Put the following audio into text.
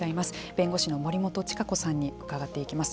弁護士の森本周子さんに伺っていきます。